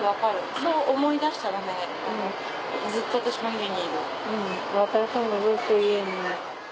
そう思いだしたらねずっと私も家にいる。